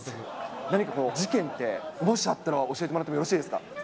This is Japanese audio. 何か事件って、もしあったら教えてもらってもよろしいですか。